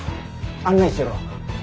案内しろ。